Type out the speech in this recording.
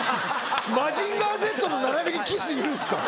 『マジンガーＺ』の並びにＫＩＳＳいるんですか？